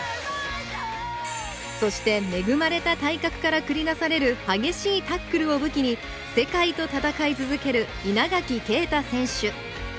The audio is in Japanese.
そして恵まれた体格から繰り出される激しいタックルを武器に世界と戦い続ける稲垣啓太選手。